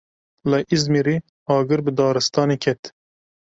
Li Îzmîrê agir bi daristanê ket.